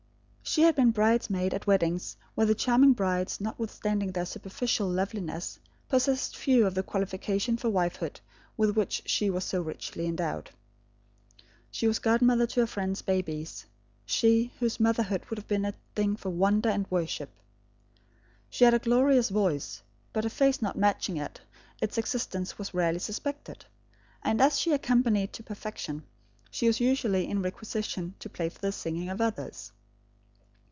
She had been bridesmaid at weddings where the charming brides, notwithstanding their superficial loveliness, possessed few of the qualifications for wifehood with which she was so richly endowed. She was godmother to her friends' babies, she, whose motherhood would have been a thing for wonder and worship. She had a glorious voice, but her face not matching it, its existence was rarely suspected; and as she accompanied to perfection, she was usually in requisition to play for the singing of others.